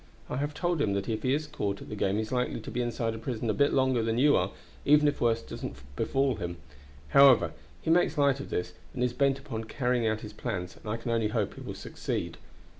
I have told him that if he is caught at the game he is likely to be inside a prison a bit longer than you are, even if worse doesn't befall him. However, he makes light of this, and is bent upon carrying out his plans, and I can only hope he will succeed.